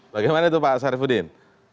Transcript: bagaimana itu pak sarifudin